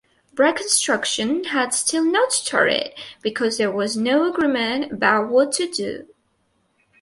Reconstruction had still not started because there was no agreement about what to do.